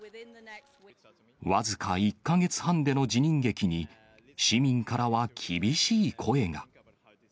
僅か１か月半での辞任劇に、市民からは厳しい声が。